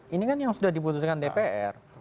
ini kan yang sudah dibutuhkan dpr